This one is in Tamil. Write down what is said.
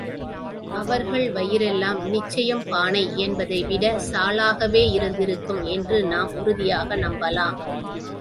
அவர்கள் வயிறெல்லாம் நிச்சயம் பானை என்பதை விட சாலாகவே இருந்திருக்கும் என்று நாம் உறுதியாக நம்பலாம்.